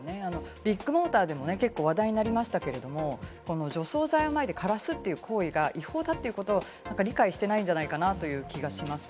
ビッグモーターでも結構話題になりましたけれども、除草剤をまいて枯らすという行為が違法だということを理解してないんじゃないかなという気がします。